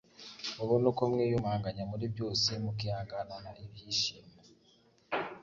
mubone uko mwiyumanganya muri byose mukihanganana ibyishimo